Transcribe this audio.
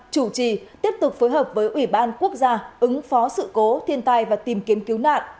chủ trì tiếp tục phối hợp với ủy ban quốc gia ứng phó sự cố thiên tai và tìm kiếm cứu nạn